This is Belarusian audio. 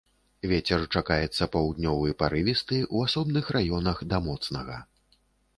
Вецер чакаецца паўднёвы парывісты, у асобных раёнах да моцнага.